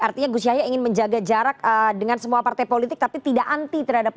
artinya gus yahya ingin menjaga jarak dengan semua partai politik tapi tidak anti terhadap politik